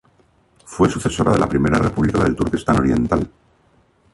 Fue sucesora de la Primera República del Turkestán Oriental.